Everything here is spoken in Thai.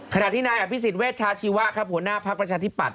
ขณะที่นายอภิษฎเวชาชีวะครับหัวหน้าภักดิ์ประชาธิปัตย